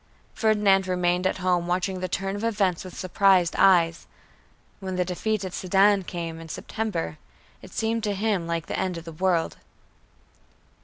Ferdinand remained at home watching the turn of events with surprised eyes. When the defeat at Sedan came, in September, it seemed to him like the end of the world.